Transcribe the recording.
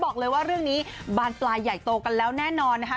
บอกเลยว่าเรื่องนี้บานปลายใหญ่โตกันแล้วแน่นอนนะคะ